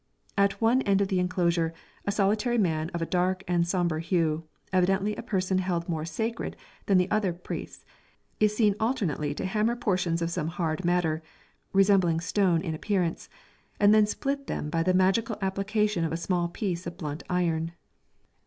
At one end of the enclosure, a solitary man of a dark and sombre hue, evidently a person held more sacred than the other priests, is seen alternately to hammer portions of some hard matter, resembling stone in appearance, and then split them by the magical application of a small piece of blunt iron.